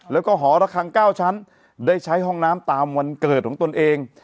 แล้วก็หอระคัง๙ชั้นได้ใช้ห้องน้ำตามวันเกิดของตนเอง